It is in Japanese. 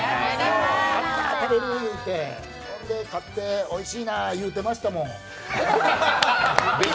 勝ったら食べる言うてそれで勝っておいしいな言うてましたもん。